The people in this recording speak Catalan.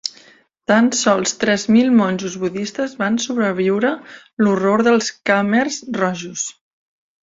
Tan sols tres mil monjos budistes van sobreviure l'horror dels khmers rojos.